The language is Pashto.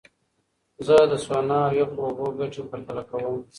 زه د سونا او یخو اوبو ګټې پرتله کوم.